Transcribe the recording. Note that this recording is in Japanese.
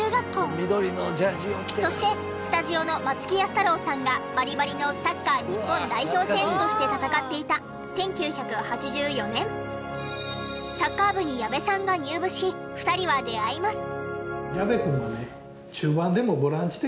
そしてスタジオの松木安太郎さんがバリバリのサッカー日本代表選手として戦っていた１９８４年サッカー部に矢部さんが入部し２人は出会います。